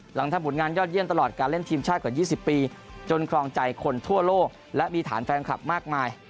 หลังทำผลงานยอดเยี่ยมตลอดการเล่นทีมชาติกว่า๒๐ปีจนครองใจคนทั่วโลกและมีฐานแฟนคลับมากมาย